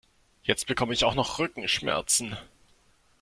Jetzt bekomme ich auch noch Rückenschmerzen!